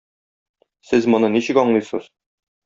Сез моны ничек аңлыйсыз?